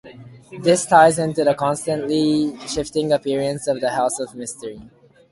This ties into the constantly shifting appearance of the House of Mystery.